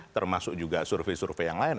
termasuk juga survei survei yang lain